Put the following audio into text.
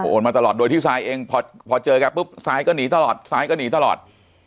โอนมาตลอดโดยที่ซายเองพอเจอแกปุ๊บซายก็หนีตลอดทรายก็หนีตลอด